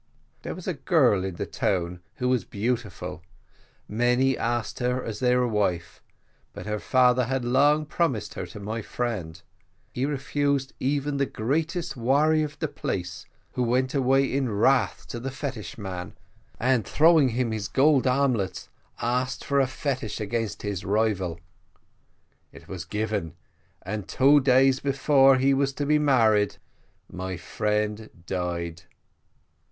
There was a girl in the town who was beautiful; many asked for her as their wife, but her father had long promised her to my friend; he refused even the greatest warrior of the place, who went away in wrath to the fetish man, and throwing him his gold armlets asked for a fetish against his rival. It was given, and two days before he was to be married my friend died.